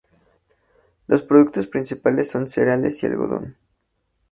Los productos principales son cereales, y algodón.